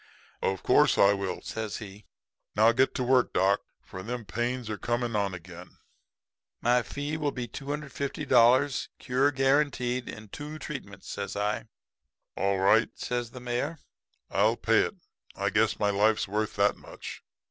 "'Of course I will,' says he. 'And now get to work, doc, for them pains are coming on again.' "'My fee will be $250.00, cure guaranteed in two treatments,' says I. "'All right,' says the Mayor. 'I'll pay it. I guess my life's worth that much.'